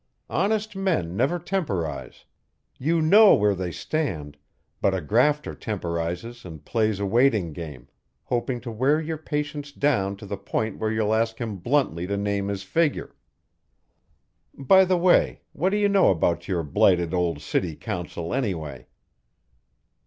Honest men never temporize. You know where they stand, but a grafter temporizes and plays a waiting game, hoping to wear your patience down to the point where you'll ask him bluntly to name his figure. By the way, what do you know about your blighted old city council, anyway?"